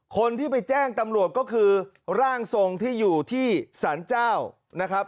คนที่ไปแจ้งตำรวจก็คือร่างทรงที่อยู่ที่สรรเจ้านะครับ